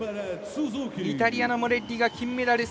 イタリアのモレッリが金メダル。